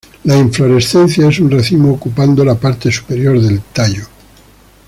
La inflorescencia es un racimo ocupando la parte superior del tallo.